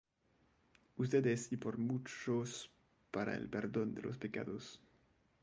ustedes y por muchos para el perdón de los pecados.